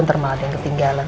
ntar malah ada yang ketinggalan